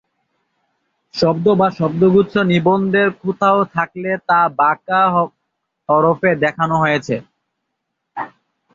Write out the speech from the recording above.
শব্দ বা শব্দগুচ্ছ নিবন্ধের কোথাও থাকলে তা "বাঁকা হরফে" দেখানো হয়েছে।